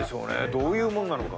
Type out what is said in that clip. どういうもんか。